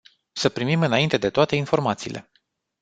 Să primim înainte de toate informațiile.